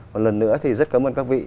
còn lần nữa thì rất cảm ơn các vị